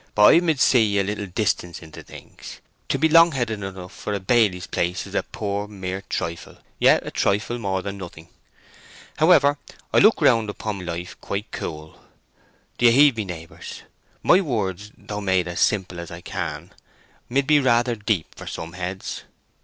But I mid see a little distance into things! To be long headed enough for a baily's place is a poor mere trifle—yet a trifle more than nothing. However, I look round upon life quite cool. Do you heed me, neighbours? My words, though made as simple as I can, mid be rather deep for some heads."